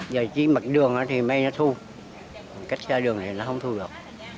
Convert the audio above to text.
giờ chỉ mặt đường thì mấy nó thu cách xa đường thì nó không thu được